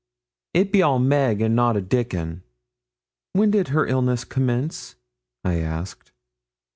It be all Meg, and nout o' Dickon.' 'When did her illness commence?' I asked.